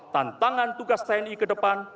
tantangan tugas tni ke depan